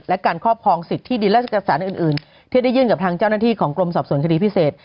และการครอบครองสิทธิดินและเอกสารอื่นที่ได้ยื่นกับทางเจ้าหน้าที่ของกรมสอบสวนคดีพิเศษ